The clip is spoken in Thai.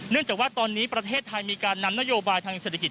จากว่าตอนนี้ประเทศไทยมีการนำนโยบายทางเศรษฐกิจ